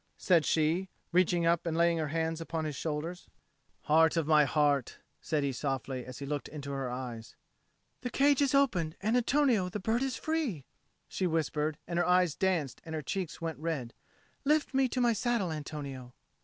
said she, reaching up and laying her hands on his shoulders. "Heart of my heart," said he softly, as he looked in her eyes. "The cage is opened, and, Antonio, the bird is free," she whispered, and her eyes danced and her cheek went red. "Lift me to my saddle, Antonio."